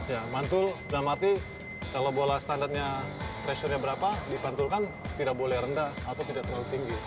ya mantul dalam arti kalau bola standarnya pressure nya berapa dipantulkan tidak boleh rendah atau tidak terlalu tinggi